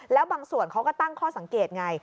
แล้วบางส่วนเขาก็ตั้งข้อสังเกตไง